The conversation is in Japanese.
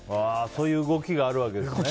そういう動きがあるわけですね。